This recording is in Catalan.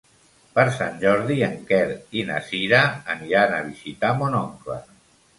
Per Sant Jordi en Quer i na Cira aniran a visitar mon oncle.